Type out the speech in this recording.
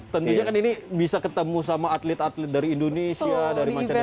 tentunya kan ini bisa ketemu sama atlet atlet dari indonesia dari macam negara lain